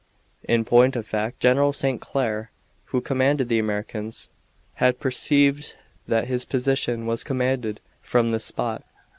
In point of fact General St. Clair, who commanded the Americans, had perceived that his position was commanded from this spot.